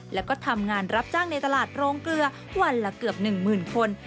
แล้วก็ทำงานรับจ้างในตลาดโรงเกลือวันละเกือบ๑๐๐๐คน